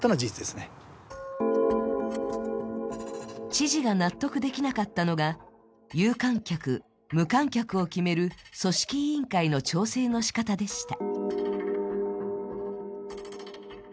知事が納得できなかったのが有観客、無観客を決める組織委員会の調整の仕方でした。